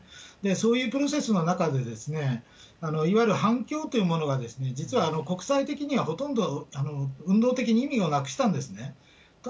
そういうプロセスの中で、いわゆる反共というものが実は国際的にはほとんど運動的に意味をなくしたんですね。